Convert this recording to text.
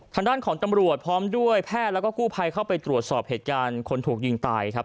ทางด้านของตำรวจพร้อมด้วยแพทย์แล้วก็กู้ภัยเข้าไปตรวจสอบเหตุการณ์คนถูกยิงตายครับ